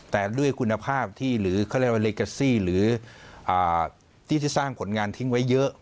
แต่ด้วยคุณภาพที่หรือเรกัสซี่หรือที่สร้างผลงานทิ้งไว้เยอะ